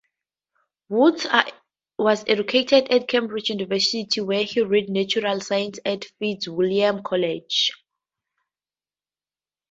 Woods was educated at Cambridge University, where he read Natural Sciences at Fitzwilliam College.